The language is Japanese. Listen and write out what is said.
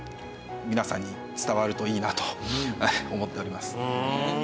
皆さんに伝わるといいなと思っております。